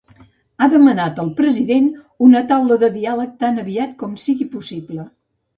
Ha demanat al president una taula de diàleg tan aviat com sigui possible.